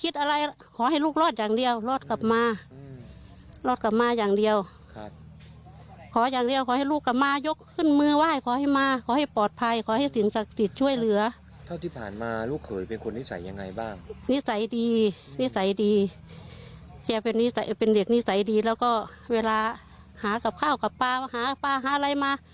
แจ๊คเป็นเด็กนิสัยดีและเวลาหาข้าวหาปลาหาอะไรมา